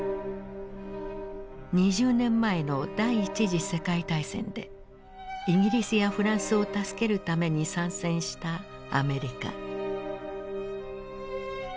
２０年前の第一次世界大戦でイギリスやフランスを助けるために参戦したアメリカ。